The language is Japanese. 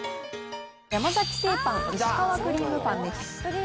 山崎製パン薄皮クリームパンです。